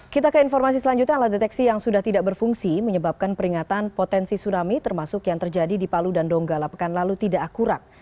kita ke informasi selanjutnya alat deteksi yang sudah tidak berfungsi menyebabkan peringatan potensi tsunami termasuk yang terjadi di palu dan donggala pekan lalu tidak akurat